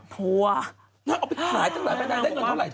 ทัวร์นางเอาไปขายตั้งแต่ได้เงินเท่าไหร่เธอ